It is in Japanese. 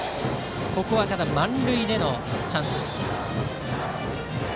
ここは満塁でのチャンス。